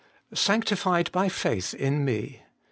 ' Sanctified by faith in me.'